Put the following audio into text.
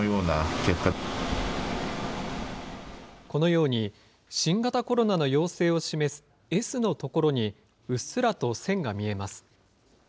このように、新型コロナの陽性を示すＳの所にうっすらと線が見えます。